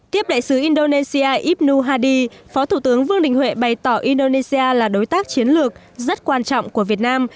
tiếp đại sứ indonesia ibnu hadi phó thủ tướng vương đình huệ bày tỏ indonesia là đối tác chiến lược rất quan trọng của việt nam